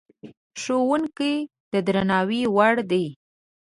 ښوونکی د درناوي وړ دی.